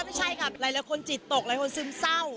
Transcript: ไม่ใช่ครับหลายคนจิตตกหลายคนซึมเศร้า